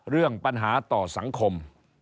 เรื่องปัญหาต่อสังคม